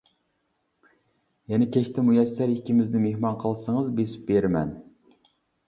يەنە كەچتە مۇيەسسەر ئىككىمىزنى مېھمان قىلسىڭىز بېسىپ بېرىمەن.